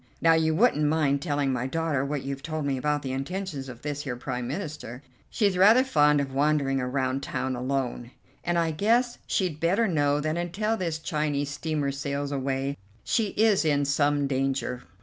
Now, you wouldn't mind telling my daughter what you've told me about the intentions of this here Prime Minister? She's rather fond of wandering around town alone, and I guess she'd better know that until this Chinese steamer sails away she is in some danger."